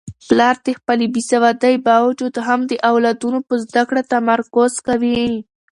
پلار د خپلې بې سوادۍ باوجود هم د اولادونو په زده کړو تمرکز کوي.